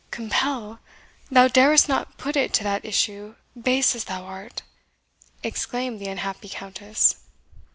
"Compel! Thou darest not put it to that issue, base as thou art!" exclaimed the unhappy Countess.